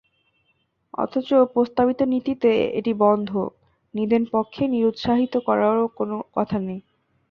অথচ প্রস্তাবিত নীতিতে এটি বন্ধ, নিদেনপক্ষে নিরুত্সাহিত করারও কোনো কথা নেই।